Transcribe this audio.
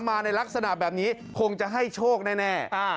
มาในลักษณะแบบนี้คงจะให้โชคแน่